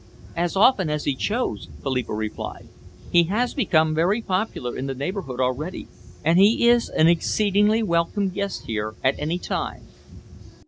"As often as he chose," Philippa replied. "He has become very popular in the neighbourhood already, and he is an exceedingly welcome guest here at any time."